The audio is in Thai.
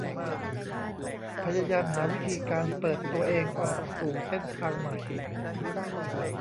พยายามหาวิธีการเปิดตัวเองออกสู่เส้นทางใหม่